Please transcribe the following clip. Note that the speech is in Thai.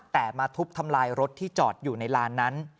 แต่มาทุบทำลายรถที่จอดอยู่ในลานนั้น